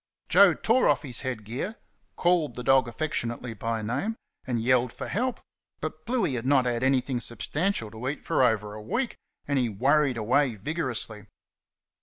Joe tore off his head gear, called the dog affectionately by name, and yelled for help; but Bluey had not had anything substantial to eat for over a week, and he worried away vigorously.